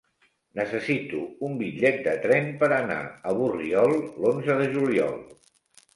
Necessito un bitllet de tren per anar a Borriol l'onze de juliol.